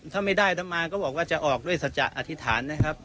ถ้าไม่ได้แล้วมาก็บอกว่าจะออกด้วยสัจจะอธิษฐานนะครับ